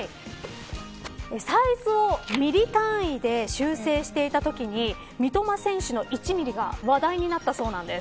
サイズをミリ単位で修正していたときに三笘選手の１ミリが話題になったそうなんです。